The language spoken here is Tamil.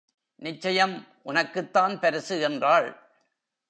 நிச்சயம் உனக்குத் தான் பரிசு என்றாள்.